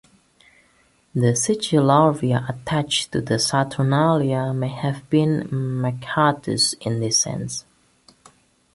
The Sigillaria attached to the Saturnalia may have been a "mercatus" in this sense.